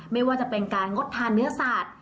ไม่ว่าจะเป็นการงดทานเนื้อสัตว์